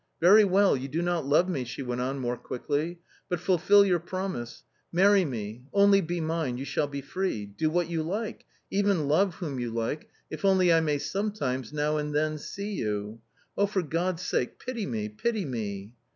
" Very well ! you do not love me," she went on more quickly, "but fulfil your promise ; marry me, only be mine* you shall be free : do what you like, even love whom you like, if only I may sometimes — now and then — see you. Oh, for God's sake, pity me, pity me